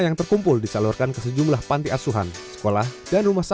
yang terkumpul disalurkan ke sejumlah panti asuhan sekolah dan rumah sakit